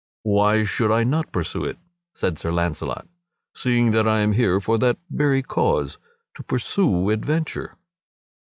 "Why should I not pursue it," said Sir Launcelot, "seeing that I am here for that very cause to pursue adventure?"